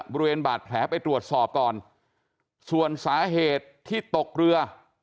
บริเวณบาดแผลไปตรวจสอบก่อนส่วนสาเหตุที่ตกเรือ